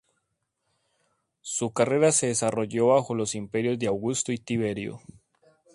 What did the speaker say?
Su carrera se desarrolló bajo los imperios de Augusto y Tiberio.